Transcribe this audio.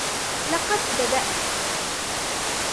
لقد بدأت.